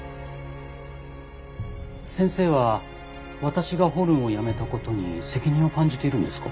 先生は私がホルンをやめたことに責任を感じているんですか？